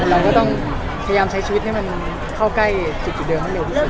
เราก็ต้องพยายามใช้ชีวิตให้มันเข้าใกล้จุดเดิมให้เร็วที่สุด